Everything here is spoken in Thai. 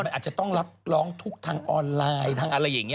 มันอาจจะต้องรับร้องทุกข์ทางออนไลน์ทางอะไรอย่างนี้